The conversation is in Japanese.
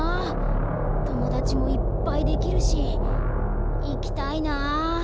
ともだちもいっぱいできるしいきたいなあ。